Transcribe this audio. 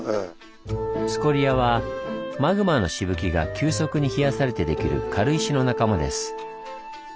スコリアはマグマのしぶきが急速に冷やされてできる軽石の仲間です。